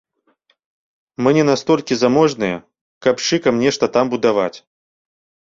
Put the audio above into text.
Мы не настолькі заможныя, каб з шыкам нешта там будаваць.